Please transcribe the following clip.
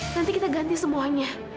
nanti kita ganti semuanya